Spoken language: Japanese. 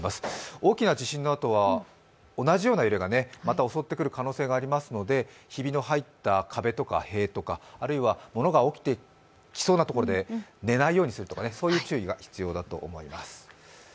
大きな地震のあとは同じような揺れがまた襲ってくる可能性がありますので、ひびの入った壁とか塀とか、あるいは物が落ちてきそうなところで寝ないようにするとかいう注意が必要だと思います。